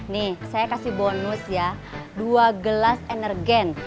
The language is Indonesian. nih saya kasih bonus ya dua gelas emergen